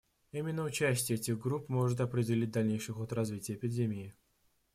Именно участие этих групп может определить дальнейший ход развития эпидемии.